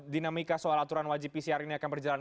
dinamika soal aturan wajib pcr ini akan berjalan